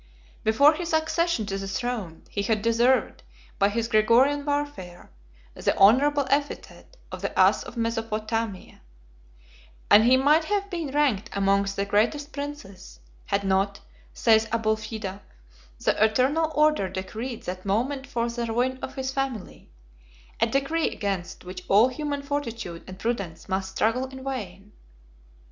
Before his accession to the throne, he had deserved, by his Georgian warfare, the honorable epithet of the ass of Mesopotamia; 36 and he might have been ranked amongst the greatest princes, had not, says Abulfeda, the eternal order decreed that moment for the ruin of his family; a decree against which all human fortitude and prudence must struggle in vain.